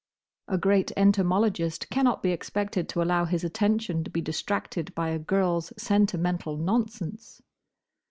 A great entomologist cannot be expected to allow his attention to be distracted by a girl's sentimental nonsense.